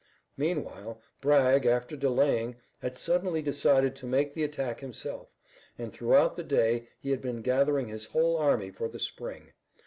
Meanwhile, Bragg, after delaying, had suddenly decided to make the attack himself, and throughout the day he had been gathering his whole army for the spring.